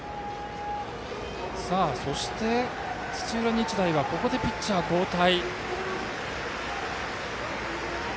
そして、土浦日大はここでピッチャー交代。